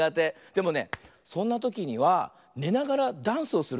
でもねそんなときにはねながらダンスをするとおきられるんだよ。